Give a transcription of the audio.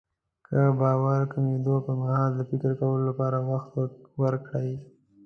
که د باور کمېدو پرمهال د فکر کولو لپاره وخت ورکړئ.